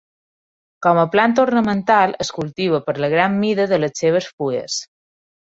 Com a planta ornamental es cultiva per la gran mida de les seves fulles.